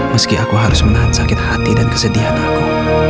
meski aku harus menahan sakit hati dan kesedihan aku